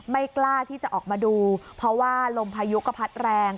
ไม่กล้าที่จะออกมาดูเพราะว่าลมพายุก็พัดแรง